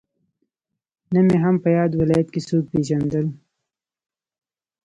نه مې هم په ياد ولايت کې څوک پېژندل.